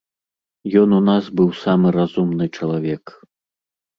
Ён у нас быў самы разумны чалавек.